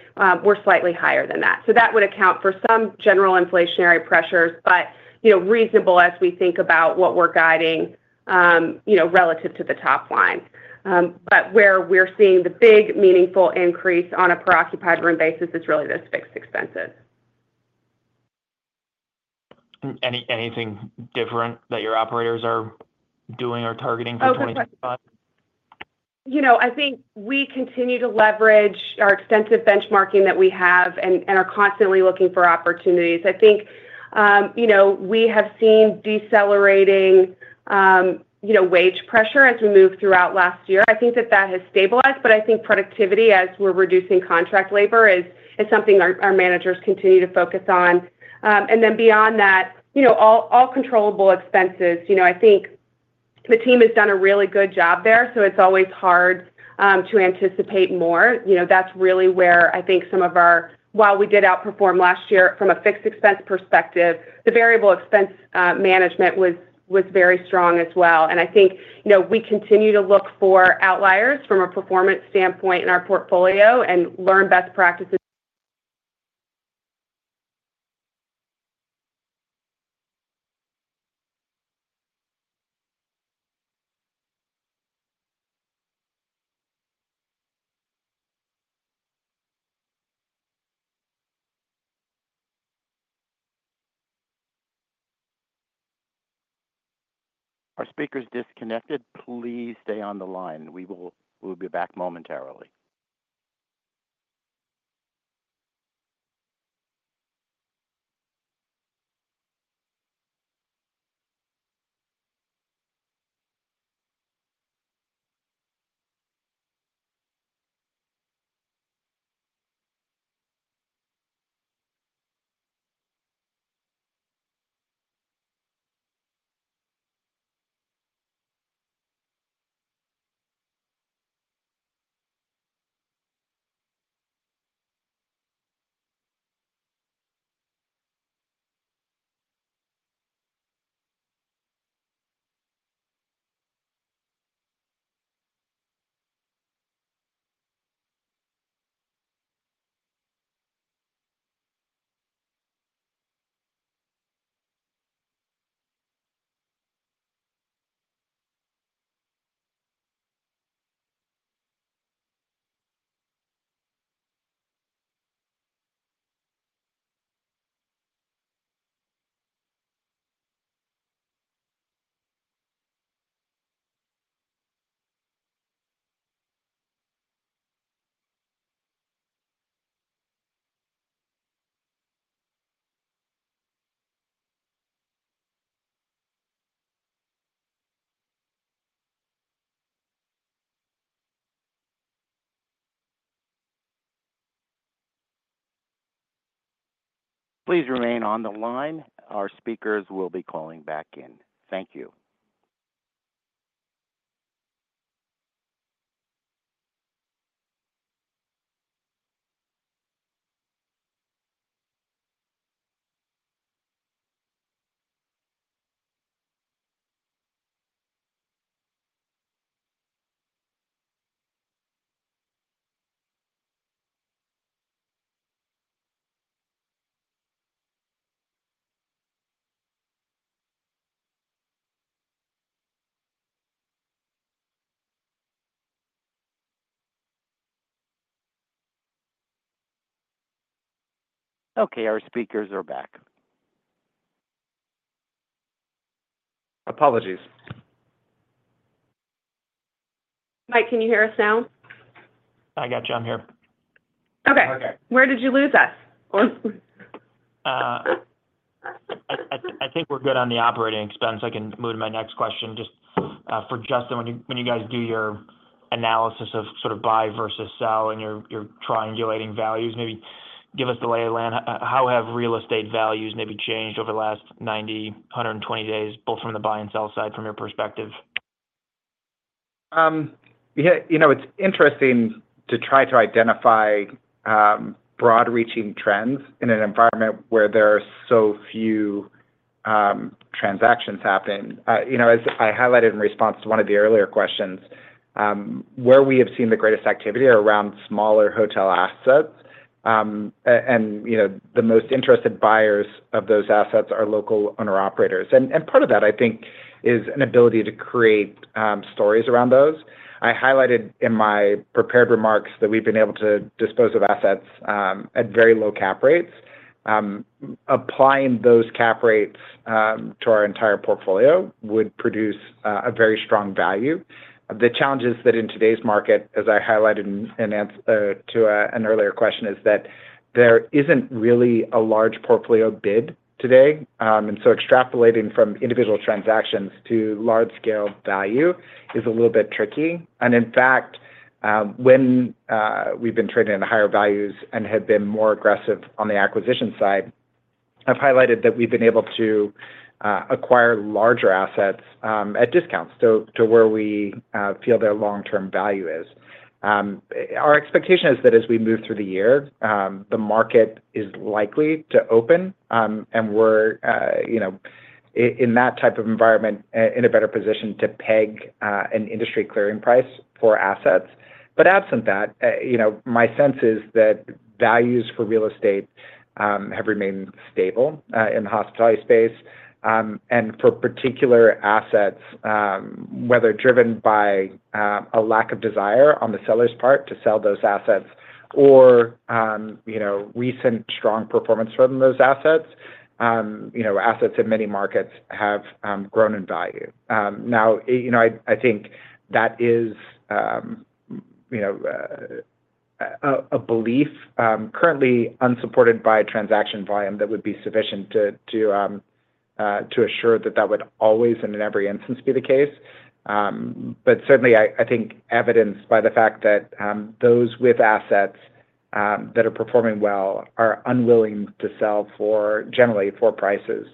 we're slightly higher than that. So that would account for some general inflationary pressures, but reasonable as we think about what we're guiding relative to the top line. But where we're seeing the big meaningful increase on a per-occupied room basis is really those fixed expenses. Anything different that your operators are doing or targeting for 2025? You know. I think we continue to leverage our extensive benchmarking that we have and are constantly looking for opportunities. I think we have seen decelerating wage pressure as we moved throughout last year. I think that has stabilized. But I think productivity as we're reducing contract labor is something our managers continue to focus on. And then beyond that, all controllable expenses, I think the team has done a really good job there. So it's always hard to anticipate more. That's really where I think some of our, while we did outperform last year from a fixed expense perspective, the variable expense management was very strong as well, and I think we continue to look for outliers from a performance standpoint in our portfolio and learn best practices. Our speaker's disconnected. Please stay on the line. We will be back momentarily. Please remain on the line. Our speakers will be calling back in. Thank you. Our speakers are back. Apologies. Mike, can you hear us now? I got you. Okay. Where did you lose us? I think we're good on the operating expense. I can move to my next question. Just for Justin, when you guys do your analysis of sort of buy versus sell and your triangulating values, maybe give us the lay of the land. How have real estate values maybe changed over the last 90, 120 days, both from the buy and sell side from your perspective? It's interesting to try to identify broad-reaching trends in an environment where there are so few transactions happen. As I highlighted in response to one of the earlier questions, where we have seen the greatest activity are around smaller hotel assets. And the most interested buyers of those assets are local owner-operators. And part of that, I think, is an ability to create stories around those. I highlighted in my prepared remarks that we've been able to dispose of assets at very low cap rates. Applying those cap rates to our entire portfolio would produce a very strong value. The challenge is that in today's market, as I highlighted to an earlier question, is that there isn't really a large portfolio bid today. Extrapolating from individual transactions to large-scale value is a little bit tricky. In fact, when we've been trading at higher values and have been more aggressive on the acquisition side, I've highlighted that we've been able to acquire larger assets at discounts to where we feel their long-term value is. Our expectation is that as we move through the year, the market is likely to open, and we're in that type of environment in a better position to peg an industry clearing price for assets. Absent that, my sense is that values for real estate have remained stable in the hospitality space. For particular assets, whether driven by a lack of desire on the seller's part to sell those assets or recent strong performance from those assets, assets in many markets have grown in value. Now, I think that is a belief currently unsupported by transaction volume that would be sufficient to assure that that would always and in every instance be the case. But certainly, I think evidenced by the fact that those with assets that are performing well are unwilling to sell for generally for prices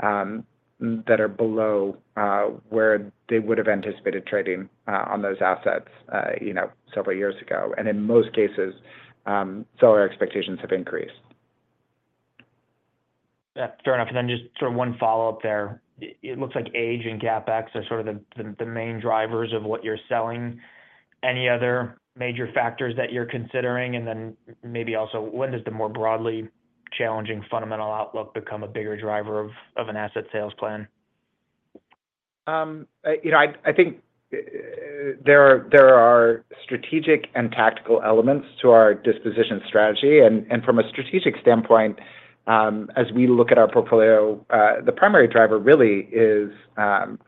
that are below where they would have anticipated trading on those assets several years ago. And in most cases, seller expectations have increased. Fair enough. And then just sort of one follow-up there. It looks like age and CapEx are sort of the main drivers of what you're selling. Any other major factors that you're considering? And then maybe also, when does the more broadly challenging fundamental outlook become a bigger driver of an asset sales plan? I think there are strategic and tactical elements to our disposition strategy. And from a strategic standpoint, as we look at our portfolio, the primary driver really is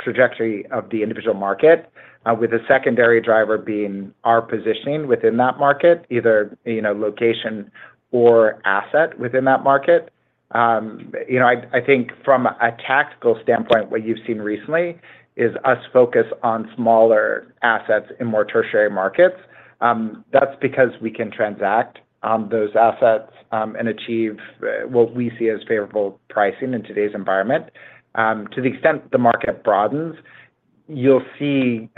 trajectory of the individual market, with a secondary driver being our positioning within that market, either location or asset within that market. I think from a tactical standpoint, what you've seen recently is us focus on smaller assets in more tertiary markets. That's because we can transact on those assets and achieve what we see as favorable pricing in today's environment. To the extent the market broadens, you'll see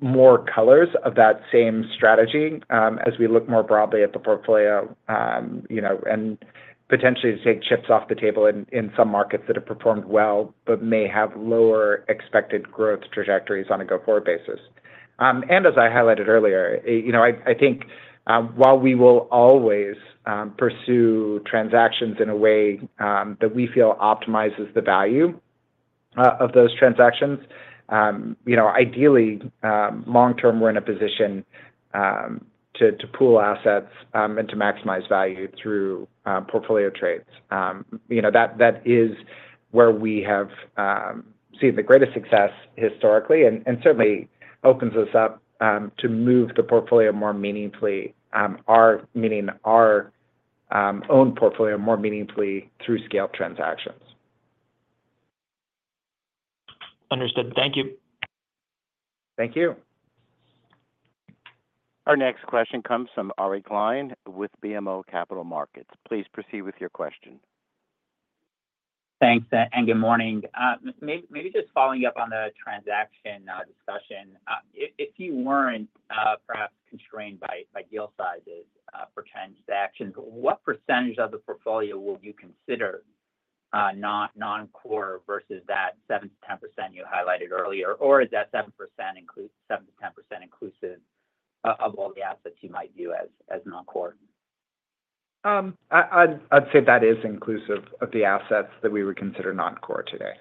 more colors of that same strategy as we look more broadly at the portfolio and potentially take chips off the table in some markets that have performed well but may have lower expected growth trajectories on a go-forward basis. And as I highlighted earlier, I think while we will always pursue transactions in a way that we feel optimizes the value of those transactions, ideally, long term, we're in a position to pool assets and to maximize value through portfolio trades. That is where we have seen the greatest success historically and certainly opens us up to move the portfolio more meaningfully, meaning our own portfolio more meaningfully through scaled transactions. Understood. Thank you. Thank you. Our next question comes from Ari Klein with BMO Capital Markets. Please proceed with your question. Thanks. And good morning. Maybe just following up on the transaction discussion, if you weren't perhaps constrained by deal sizes for transactions, what percentage of the portfolio will you consider non-core versus that 7%-10% you highlighted earlier? Or is that 7%-10% inclusive of all the assets you might view as non-core? I'd say that is inclusive of the assets that we would consider non-core today.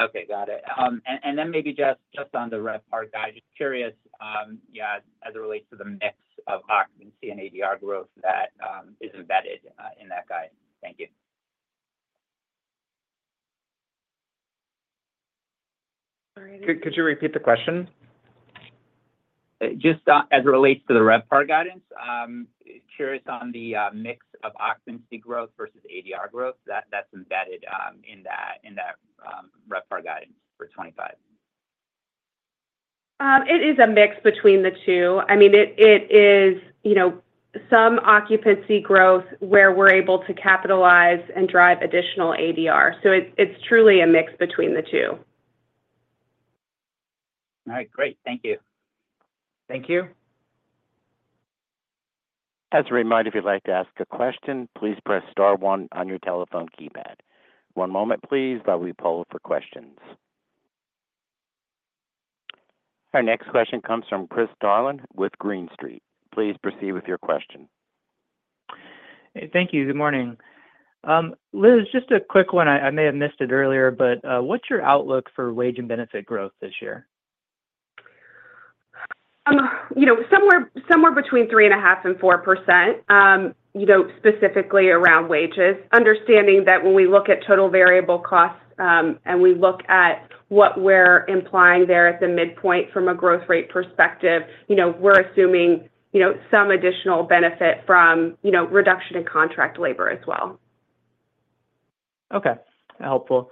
Okay. Got it. And then maybe just on the RevPAR, guys, just curious, yeah, as it relates to the mix of occupancy and ADR growth that is embedded in that guide. Thank you. Could you repeat the question? Just as it relates to the RevPAR guidance, curious on the mix of occupancy growth versus ADR growth that's embedded in that RevPAR guidance for 2025. It is a mix between the two. I mean, it is some occupancy growth where we're able to capitalize and drive additional ADR. So it's truly a mix between the two. All right. Great. Thank you. Thank you. As a reminder, if you'd like to ask a question, please press star one on your telephone keypad. One moment, please, while we poll for questions. Our next question comes from Chris Darling with Green Street. Please proceed with your question. Thank you. Good morning. Liz, just a quick one. I may have missed it earlier, but what's your outlook for wage and benefit growth this year? Somewhere between 3.5%-4%, specifically around wages. Understanding that when we look at total variable costs and we look at what we're implying there at the midpoint from a growth rate perspective, we're assuming some additional benefit from reduction in contract labor as well. Okay. Helpful.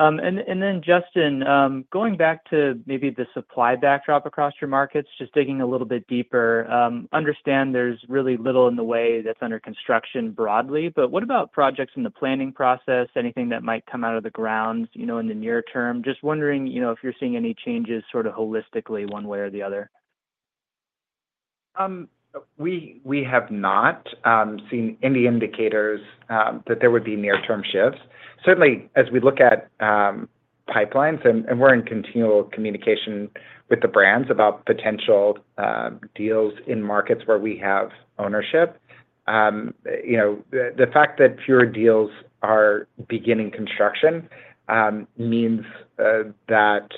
And then, Justin, going back to maybe the supply backdrop across your markets, just digging a little bit deeper, understand there's really little in the way that's under construction broadly. But what about projects in the planning process? Anything that might come out of the ground in the near term? Just wondering if you're seeing any changes sort of holistically one way or the other? We have not seen any indicators that there would be near-term shifts. Certainly, as we look at pipelines, and we're in continual communication with the brands about potential deals in markets where we have ownership. The fact that fewer deals are beginning construction means that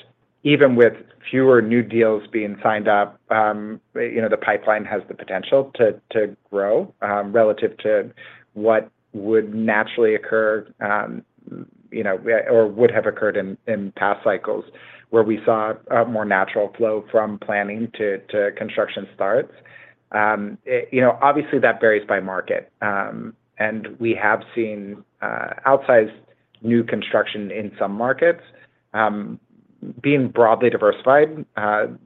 even with fewer new deals being signed up, the pipeline has the potential to grow relative to what would naturally occur or would have occurred in past cycles where we saw a more natural flow from planning to construction starts. Obviously, that varies by market. And we have seen outsized new construction in some markets. Being broadly diversified,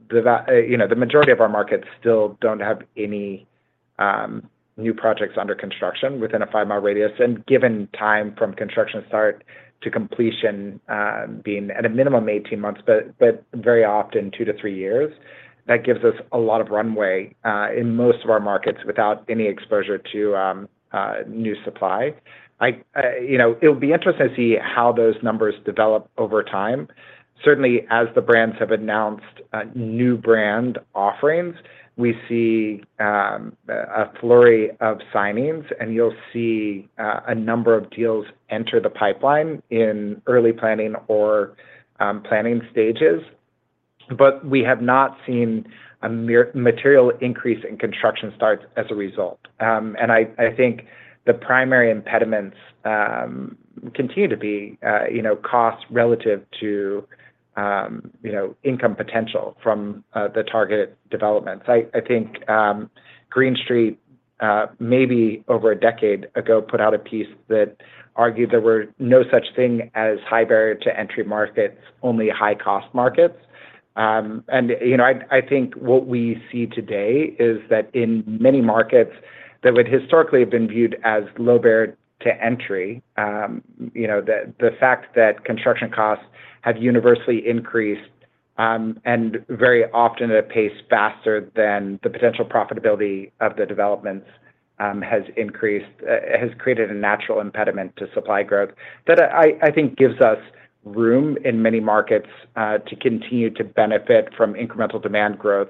the majority of our markets still don't have any new projects under construction within a five-mile radius. Given time from construction start to completion being at a minimum 18 months, but very often two to three years, that gives us a lot of runway in most of our markets without any exposure to new supply. It'll be interesting to see how those numbers develop over time. Certainly, as the brands have announced new brand offerings, we see a flurry of signings, and you'll see a number of deals enter the pipeline in early planning or planning stages. But we have not seen a material increase in construction starts as a result. And I think the primary impediments continue to be cost relative to income potential from the target developments. I think Green Street, maybe over a decade ago, put out a piece that argued there were no such thing as high-barrier-to-entry markets, only high-cost markets. And I think what we see today is that in many markets that would historically have been viewed as low-barrier-to-entry, the fact that construction costs have universally increased and very often at a pace faster than the potential profitability of the developments has increased, has created a natural impediment to supply growth that I think gives us room in many markets to continue to benefit from incremental demand growth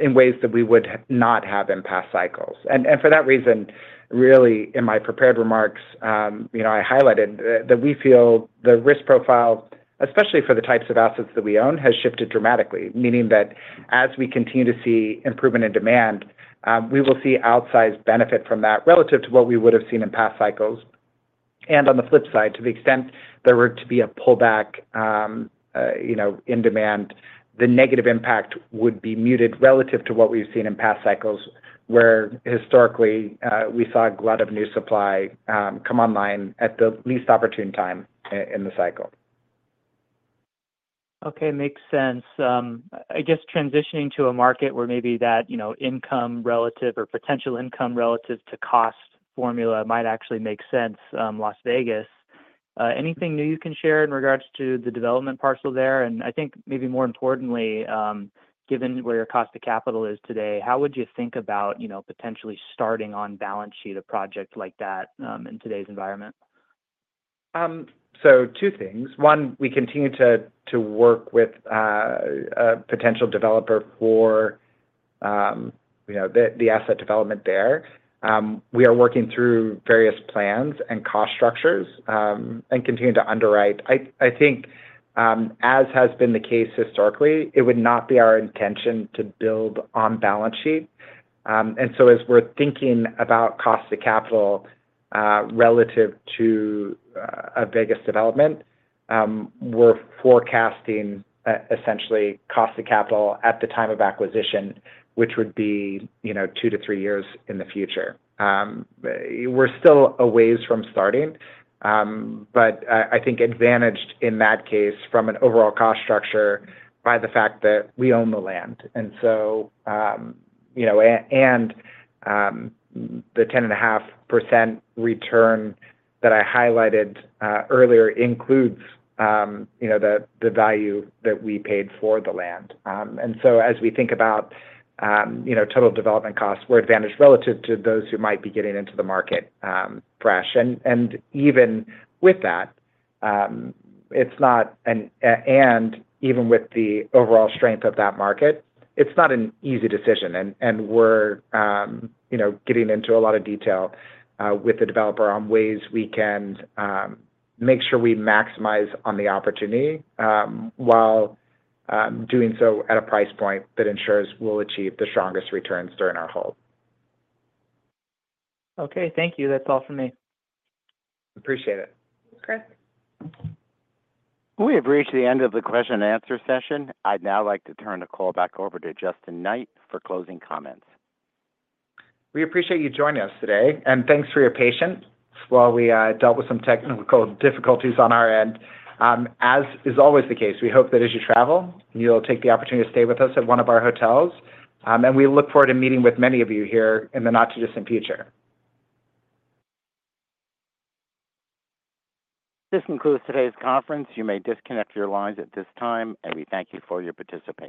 in ways that we would not have in past cycles. And for that reason, really, in my prepared remarks, I highlighted that we feel the risk profile, especially for the types of assets that we own, has shifted dramatically, meaning that as we continue to see improvement in demand, we will see outsized benefit from that relative to what we would have seen in past cycles. On the flip side, to the extent there were to be a pullback in demand, the negative impact would be muted relative to what we've seen in past cycles where historically we saw a glut of new supply come online at the least opportune time in the cycle. Okay. Makes sense. I guess, transitioning to a market where maybe that income relative or potential income relative to cost formula might actually make sense, Las Vegas. Anything new you can share in regards to the development parcel there? I think maybe more importantly, given where your cost of capital is today, how would you think about potentially starting on balance sheet a project like that in today's environment? Two things. One, we continue to work with a potential developer for the asset development there. We are working through various plans and cost structures and continue to underwrite. I think, as has been the case historically, it would not be our intention to build on balance sheet. And so, as we're thinking about cost of capital relative to a Vegas development, we're forecasting essentially cost of capital at the time of acquisition, which would be two to three years in the future. We're still a ways from starting, but I think advantaged in that case from an overall cost structure by the fact that we own the land. And so, the 10.5% return that I highlighted earlier includes the value that we paid for the land. And so, as we think about total development costs, we're advantaged relative to those who might be getting into the market fresh. And even with that, and even with the overall strength of that market, it's not an easy decision. And we're getting into a lot of detail with the developer on ways we can make sure we maximize on the opportunity while doing so at a price point that ensures we'll achieve the strongest returns during our hold. Okay. Thank you. That's all for me. Appreciate it. We have reached the end of the question-and-answer session. I'd now like to turn the call back over to Justin Knight for closing comments. We appreciate you joining us today. And thanks for your patience while we dealt with some technical difficulties on our end. As is always the case, we hope that as you travel, you'll take the opportunity to stay with us at one of our hotels. And we look forward to meeting with many of you here in the not-too-distant future. This concludes today's conference. You may disconnect your lines at this time, and we thank you for your participation.